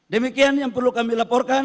demikian yang perlu kami laporkan